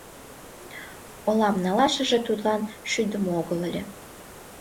Олам налашыже тудлан шӱдымӧ огыл ыле.